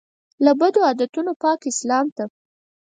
له بدعتونو پاک اسلام ته.